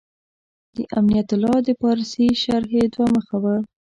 د امنت بالله د پارسي شرحې دوه مخه و.